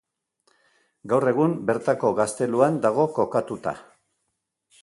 Gaur egun bertako gazteluan dago kokatuta.